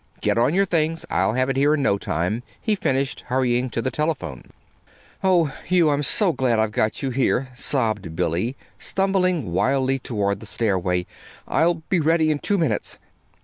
Get on your things. I'll have it here in no time," he finished, hurrying to the telephone. "Oh, Hugh, I'm so glad I've got you here," sobbed Billy, stumbling blindly toward the stairway. "I'll be ready in two minutes."